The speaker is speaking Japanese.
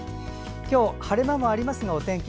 今日は晴れ間もありますがお天気